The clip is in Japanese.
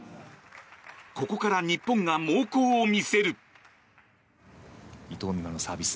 ここから日本が猛攻を見せる。